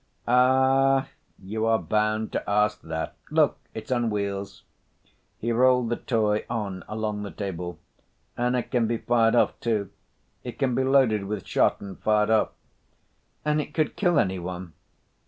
"Ah, you are bound to ask that! Look, it's on wheels." He rolled the toy on along the table. "And it can be fired off, too. It can be loaded with shot and fired off." "And it could kill any one?"